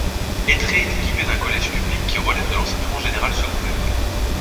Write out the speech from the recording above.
Aytré est équipé d'un collège public qui relève de l'enseignement général secondaire.